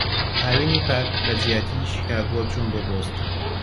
هاوینی پار، لەجیاتیی شیکاگۆ چووم بۆ بۆستن.